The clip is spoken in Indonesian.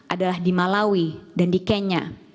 adalah di malawi dan di kenya